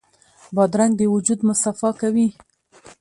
بادرنګ د وجود مصفا کوي.